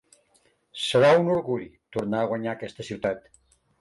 Serà un orgull tornar a guanyar aquesta ciutat.